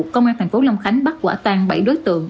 công an tp long khánh bắt quả tàn bảy đối tượng